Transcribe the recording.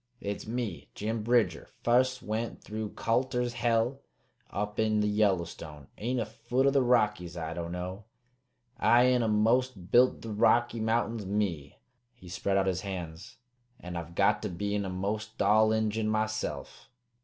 It's me, Jim Bridger, fust went through Colter's Hell up in the Yellowstone. Ain't a foot o' the Rockies I don't know. I eena most built the Rocky Mountains, me." He spread out his hands. "And I've got to be eena'most all Injun myself."